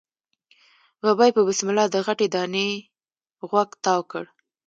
ببۍ په بسم الله د غټې دانی غوږ تاو کړ.